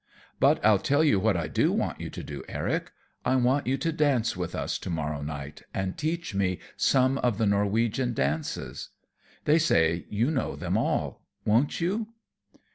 "But I'll tell you what I do want you to do, Eric. I want you to dance with us to morrow night and teach me some of the Norwegian dances; they say you know them all. Won't you?"